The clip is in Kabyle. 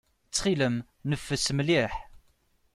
Ttxil-m, neffes mliḥ.